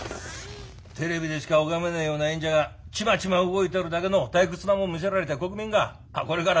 テレビでしか拝めねえような演者がちまちま動いてるだけの退屈なもん見せられて国民が「これからはテレビの時代だ！」